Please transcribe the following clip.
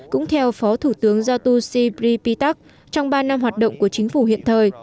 cũng theo phó thủ tướng jatushri pitak trong ba năm hoạt động của chính phủ hiện thời